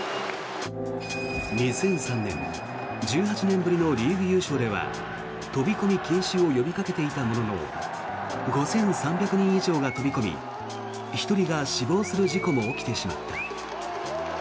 ２００３年１８年ぶりのリーグ優勝では飛び込み禁止を呼びかけていたものの５３００人以上が飛び込み１人が死亡する事故も起きてしまった。